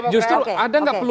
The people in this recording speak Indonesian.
justru ada nggak perlu